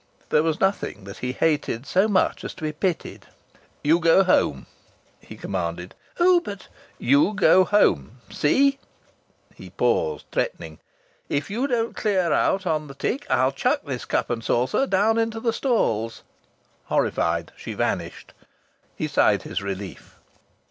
There was nothing that he hated so much as to be pitied. "You go home!" he commanded. "Oh, but " "You go home! See?" He paused, threatening. "If you don't clear out on the tick I'll chuck this cup and saucer down into the stalls." Horrified, she vanished. He sighed his relief.